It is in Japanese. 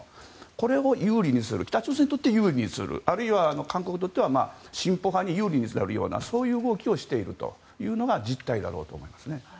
これを有利にする北朝鮮にとって有利にするあるいは韓国にとっては進歩派に有利になるようなそういう動きをしているというのが実態だろうと思いますね。